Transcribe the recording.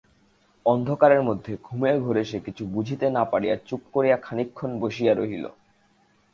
অন্ধকারের মধ্যে ঘুমের ঘোরে সে কিছু বুঝিতে না পারিয়া চুপ করিয়া খানিকক্ষণ বসিয়া রহিল।